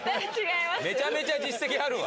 めちゃめちゃ実績あるわ！